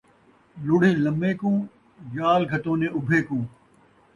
لُڑھی لمے کوں ، جال گھتونیں اُبھّے کوں